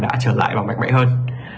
đã trở lại và mạnh mẽ hơn